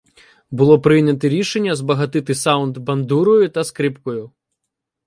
Було прийняте рішення збагатити саунд бандурою та скрипкою.